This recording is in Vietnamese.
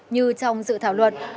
như trong dự thảo luật